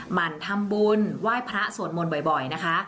หั่นทำบุญไหว้พระสวดมนต์บ่อยนะคะ